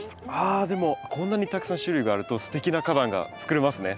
あでもこんなにたくさん種類があるとすてきな花壇がつくれますね。